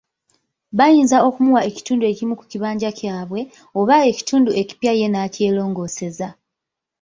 Bayinza okumuwa ekitundu ekimu ku kibanja kyabwe, oba ekitundu ekipya ye n'akyeroongooseza.